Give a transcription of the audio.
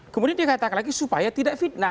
kemudian dia katakan lagi supaya tidak fitnah